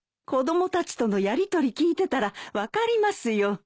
子供たちとのやりとり聞いてたら分かりますよ。